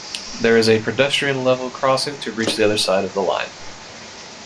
There is a pedestrian level crossing to reach the other side of the line.